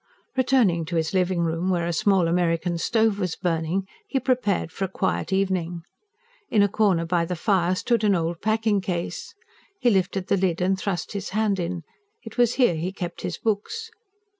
Returning to his living room where a small American stove was burning, he prepared for a quiet evening. In a corner by the fire stood an old packing case. He lifted the lid and thrust his hand in: it was here he kept his books.